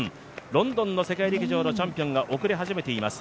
ロンドンの世界陸上のチャンピオンが遅れ始めています